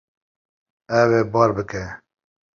Ew ê bar bike.